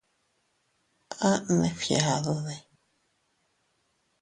¿A neʼe fgiadude?